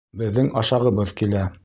Беҙҙең ашағыбыҙ килә!